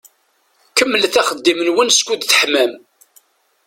Kemmlet axeddim-nwen skud teḥmam.